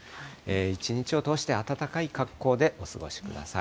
一日を通して暖かい格好でお過ごしください。